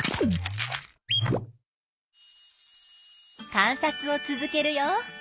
観察を続けるよ。